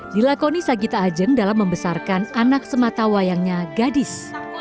dilakoni sagita ajeng dalam membesarkan anak sematawayangnya gadis